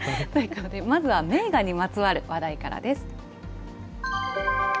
まずは名画にまつわる話題からです。